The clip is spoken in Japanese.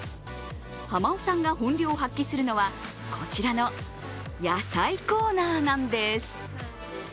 浜尾さんが本領を発揮するのはこちらの野菜コーナーなんです。